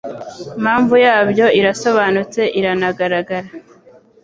Impamvu yabyo irasobanutse iranagaragara